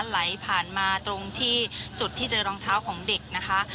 ไหลผ่านมาตรงที่จุดที่เจอรองเท้าของเด็กนะคะ